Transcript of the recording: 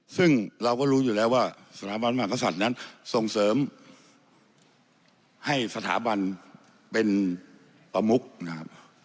ซึ่งเราก็รู้อยู่แล้วว่าสถาบันมหากษัตริย์นั้นส่งเสริมให้สถาบันเป็นประมุกนะครับ